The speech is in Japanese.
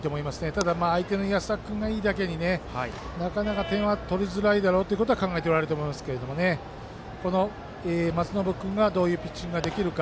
ただ、相手の安田君がいいだけになかなか点は取りづらいとは考えておられると思いますけど松延君がどういうピッチングをできるか。